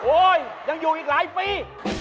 ยังอยู่อีกหลายปี